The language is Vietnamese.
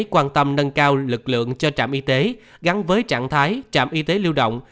quan tâm nâng cao lực lượng cho trạm y tế gắn với trạng thái trạm y tế lưu động